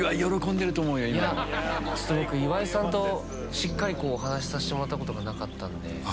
岩井さんとしっかりお話しさせてもらったことがなかったので。